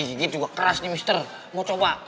wah dikit juga keras nih mister mau coba